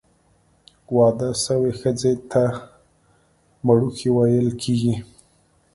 واده سوي ښځي ته، مړوښې ویل کیږي.